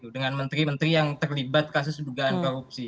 dengan menteri menteri yang terlibat kasus dugaan korupsi